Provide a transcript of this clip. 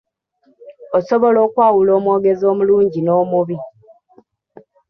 Osobola okwawula owogezi omulungi n'omubi .